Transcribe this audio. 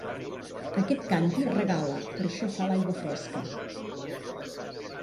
Aquest càntir regala, per això fa l'aigua fresca.